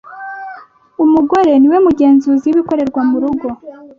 Umugore ni we mugenzuzi w’ibikorerwa mu rugo